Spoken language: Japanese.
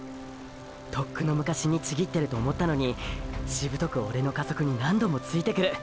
とっくの昔にちぎってると思ったのにしぶとくオレの加速に何度もついてくる！！